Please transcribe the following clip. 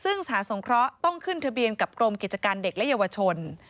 ซึ่งสถานสงเคราะห์ต้องขึ้นทะเบียนกับกรมกิจการเด็กและเยาวชน